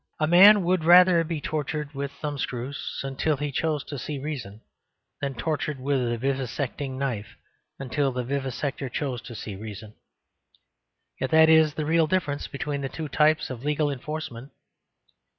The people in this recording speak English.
A man would rather be tortured with a thumbscrew until he chose to see reason than tortured with a vivisecting knife until the vivisector chose to see reason. Yet that is the real difference between the two types of legal enforcement.